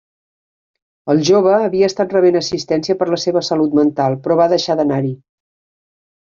El jove havia estat rebent assistència per la seva salut mental però va deixar d'anar-hi.